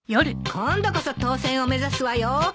今度こそ当選を目指すわよ。